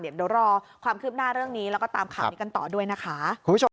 เดี๋ยวรอความคืบหน้าเรื่องนี้แล้วก็ตามข่าวนี้กันต่อด้วยนะคะ